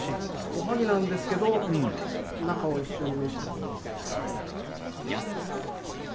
おはぎなんですけど中を一緒に召し上がって頂いて。